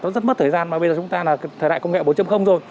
nó rất mất thời gian mà bây giờ chúng ta là thời đại công nghệ bốn rồi